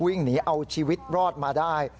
วิ่งหนีเอาชีวิตรอดมาได้